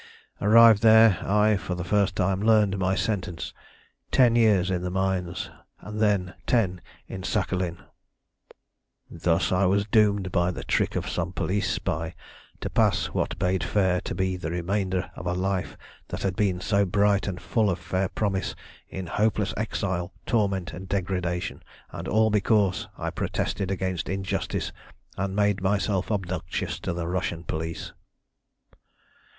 Arrived there, I for the first time learned my sentence ten years in the mines, and then ten in Sakhalin. "Thus was I doomed by the trick of some police spy to pass what bade fair to be the remainder of a life that had been so bright and full of fair promise in hopeless exile, torment, and degradation and all because I protested against injustice and made myself obnoxious to the Russian police.